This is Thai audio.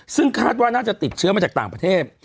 ซึ่งคาดว่าน่าจะติดเชื้อมาจากต่างประเทศ